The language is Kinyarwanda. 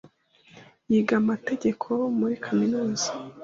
Yiga amategeko muri kaminuza.